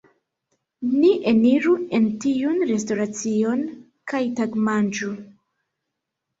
Ni eniru en tiun restoracion, kaj tagmanĝu.